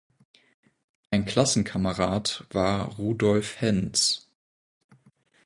Ein Klassenkamerad war Rudolf Henz.